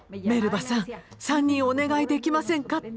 「メルバさん３人お願いできませんか？」